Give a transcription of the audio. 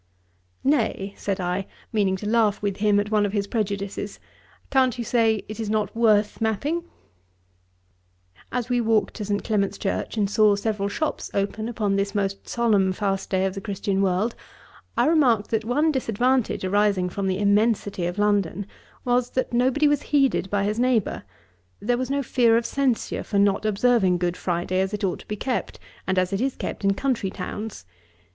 'Nay, (said I, meaning to laugh with him at one of his prejudices,) can't you say, it is not worth mapping?' As we walked to St. Clement's church, and saw several shops open upon this most solemn fast day of the Christian world, I remarked, that one disadvantage arising from the immensity of London, was, that nobody was heeded by his neighbour; there was no fear of censure for not observing Good Friday, as it ought to be kept, and as it is kept in country towns.